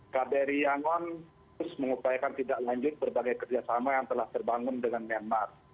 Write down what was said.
kbri yangon terus mengupayakan tidak lanjut berbagai kerjasama yang telah terbangun dengan myanmar